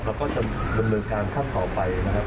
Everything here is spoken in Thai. เราก็จะบรรเวิร์นการฆ่าต่อไปนะครับ